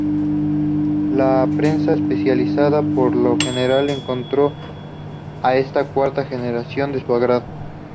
La prensa especializada por lo general encontró a esta cuarta generación de su agrado.